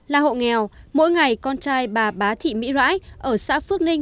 là hộ nghèo mỗi ngày con trai bà bá thị mỹ rãi ở xã phước ninh